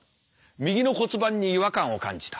右の骨盤に違和感を感じた。